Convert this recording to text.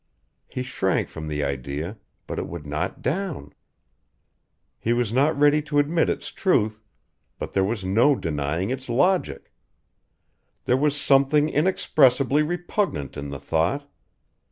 He shrank from the idea, but it would not down. He was not ready to admit its truth but there was no denying its logic. There was something inexpressibly repugnant in the thought.